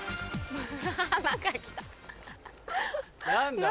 何だ？